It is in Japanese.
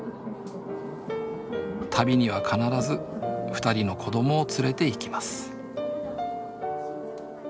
旅には必ず２人の子供を連れていきます